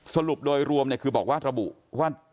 สรุปโดยรวมคือบอกว่าระบุว่า